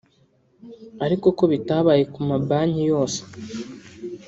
ariko ko bitabaye ku mabanki yose